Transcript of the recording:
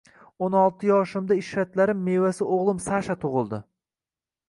O‘n olti yoshimda ishratlarim mevasi o‘g‘lim Sasha tug‘ildi